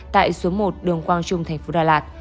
tại số một đường quang trung thành phố đà lạt